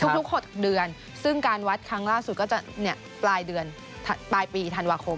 ทุก๖เดือนซึ่งการวัดครั้งล่าสุดก็จะปลายเดือนปลายปีธันวาคม